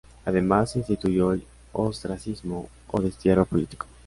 Además, se instituyó el ostracismo o destierro político.